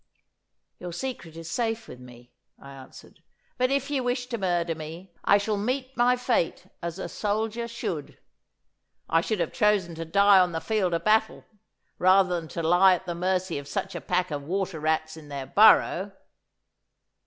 'Your secret is safe with me,' I answered. 'But if ye wish to murder me, I shall meet my fate as a soldier should. I should have chosen to die on the field of battle, rather than to lie at the mercy of such a pack of water rats in their burrow.